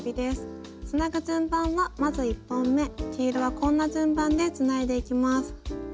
つなぐ順番はまず１本め黄色はこんな順番でつないでいきます。